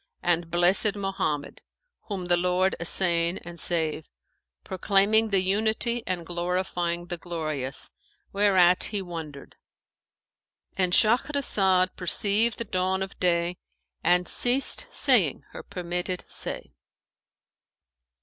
and blessed Mohammed (whom the Lord assain and save!), proclaiming the Unity and glorifying the Glorious; whereat he wondered."—And Shahrazad perceived the dawn of day and ceased saying her permitted say.